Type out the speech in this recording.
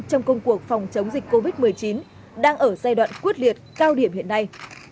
trong công cuộc phòng chống dịch covid một mươi chín đang ở giai đoạn quyết liệt cao điểm hiện nay